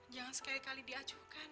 jangan sekali kali diajukan